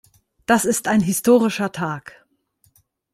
Das ist ein historischer Tag.